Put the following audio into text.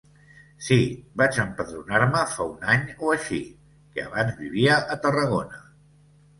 Sí, vaig empadronar-me fa un any o així, que abans vivia a Tarragona.